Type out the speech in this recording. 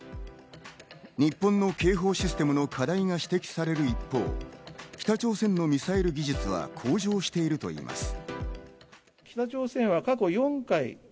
日本の警報システムの課題が指摘される一方、北朝鮮のミサイル技術は向上しているといいます。